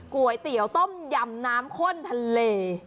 ก๋วยเตี๋ยวต้มยำน้ำข้นทะเล